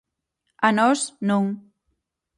A nós, non.